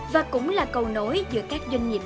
và cũng là cầu nối giữa các doanh nghiệp